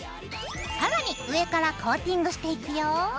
更に上からコーティングしていくよ。